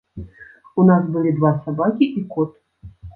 У нас былі два сабакі і кот.